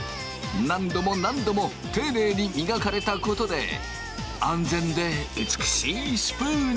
何度も何度も丁寧に磨かれたことで安全で美しいスプーンになった！